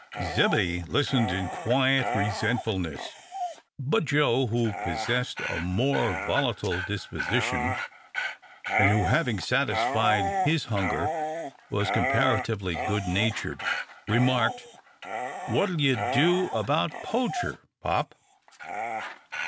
Zebedee listened in quiet resentfulness, but Joe, who possessed a more volatile disposition, and who having satisfied his hunger was comparatively good natured, remarked, "What'll ye do about Poacher, pop?"